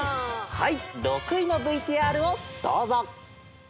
はい６いのＶＴＲをどうぞ！